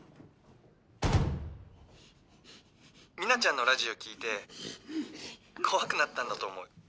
「ミナちゃんのラジオ聴いて怖くなったんだと思う」